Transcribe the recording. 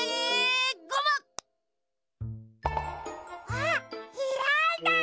あっひらいた！